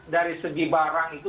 dari segi barang itu